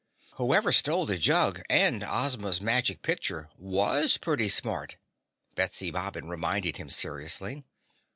"Whoever stole the jug and Ozma's magic picture WAS pretty smart," Betsy Bobbin reminded him seriously.